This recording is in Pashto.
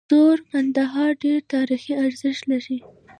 زوړ کندهار ډیر تاریخي ارزښت لري